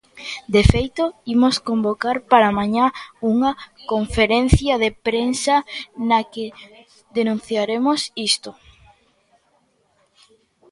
De feito, imos convocar para mañá unha conferencia de prensa na que denunciaremos isto.